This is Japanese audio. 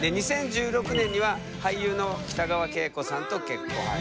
２０１６年には俳優の北川景子さんと結婚。